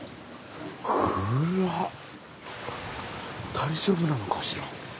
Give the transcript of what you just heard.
大丈夫なのかしら。